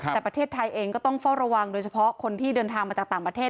แต่ประเทศไทยเองก็ต้องเฝ้าระวังโดยเฉพาะคนที่เดินทางมาจากต่างประเทศ